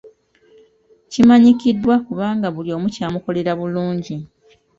Kimanyikiddwa kubanga buli omu kyamukolera bulungi.